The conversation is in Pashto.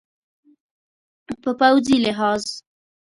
په پوځي لحاظ